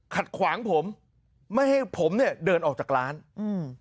ขัดขวางผมไม่ให้ผมเนี้ยเดินออกจากร้านอืม